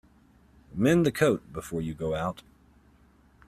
Mend the coat before you go out.